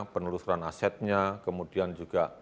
penelusuran asetnya kemudian juga